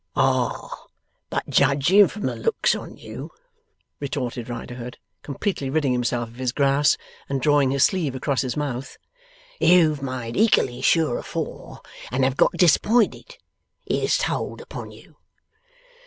'Ah! But judging from the looks on you,' retorted Riderhood, completely ridding himself of his grass, and drawing his sleeve across his mouth, 'you've made ekally sure afore, and have got disapinted. It has told upon you.